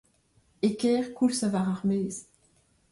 E kêr koulz ha war ar maez.